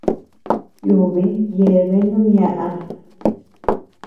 Tiubin yeabeanu ñaʼä.